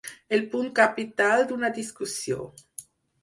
El punt capital d'una discussió.